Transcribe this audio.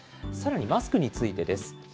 さらにマスクについてです。